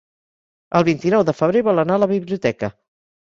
El vint-i-nou de febrer vol anar a la biblioteca.